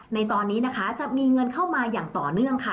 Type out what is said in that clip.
ในตอนนี้นะคะจะมีเงินเข้ามาอย่างต่อเนื่องค่ะ